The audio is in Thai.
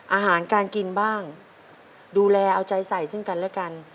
อาหารการกินบ้างดูแลเอาใจใส่ซึ่งกันและกัน